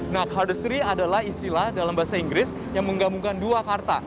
nah cardistry adalah istilah dalam bahasa inggris yang menggabungkan dua karta